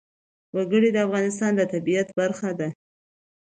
وګړي د افغانستان د طبیعت برخه ده.